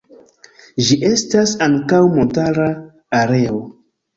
Ĝi estas ankaŭ montara areo.